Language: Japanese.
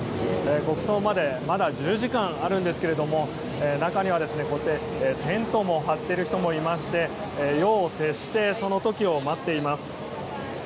国葬までまだ１０時間あるんですが中にはこうやってテントを張っている人もいまして夜を徹してその時を待っています。